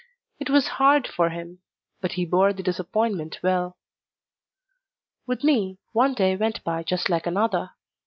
It was hard for him; but he bore the disappointment well. With me one day went by just like another.